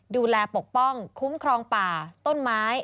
ปกป้องคุ้มครองป่าต้นไม้